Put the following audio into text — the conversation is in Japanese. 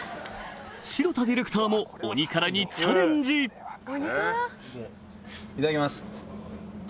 城田ディレクターも鬼辛にチャレンジいただきます。